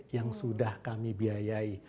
yang sudah kami biayai